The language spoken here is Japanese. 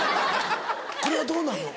これはどうなの？